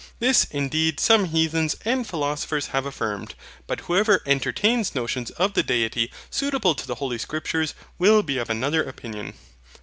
This indeed some heathens and philosophers have affirmed, but whoever entertains notions of the Deity suitable to the Holy Scriptures will be of another opinion.